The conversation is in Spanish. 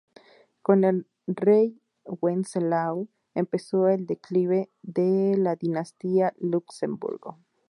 Con el rey Wenceslao, empezó el declive de la dinastía Luxemburgo.